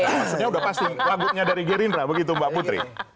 maksudnya udah pasti wagubnya dari gerindra begitu mbak putri